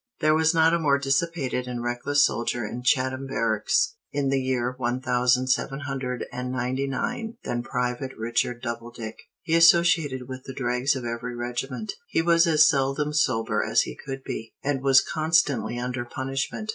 There was not a more dissipated and reckless soldier in Chatham barracks, in the year one thousand seven hundred and ninety nine, than Private Richard Doubledick. He associated with the dregs of every regiment; he was as seldom sober as he could be, and was constantly under punishment.